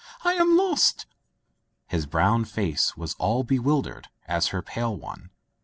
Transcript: "I am lost!" His brown face was as bewildered as her pale one.